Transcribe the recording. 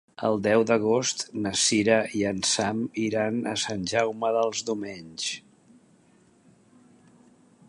El deu d'agost na Cira i en Sam iran a Sant Jaume dels Domenys.